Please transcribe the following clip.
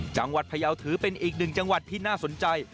พยาวถือเป็นอีกหนึ่งจังหวัดที่น่าสนใจ